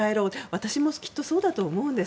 私もきっとそうだと思うんです。